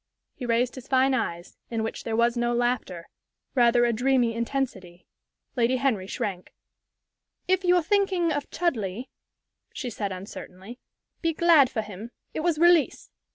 He raised his fine eyes, in which there was no laughter, rather a dreamy intensity. Lady Henry shrank. "If you're thinking of Chudleigh," she said, uncertainly, "be glad for him. It was release.